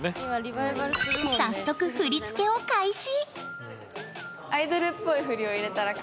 早速、振り付けを開始。